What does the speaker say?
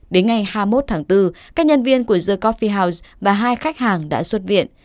đến ngày hai mươi một tháng bốn các nhân viên của jacof fi house và hai khách hàng đã xuất viện